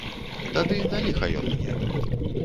Тады на ліха ён мне?